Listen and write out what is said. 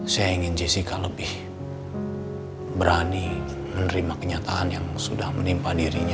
saya ingin jessica lebih berani menerima kenyataan yang sudah menimpa dirinya